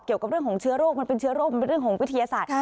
เกี่ยวกับเรื่องของเชื้อโรคมันเป็นเชื้อโรคมันเป็นเรื่องของวิทยาศาสตร์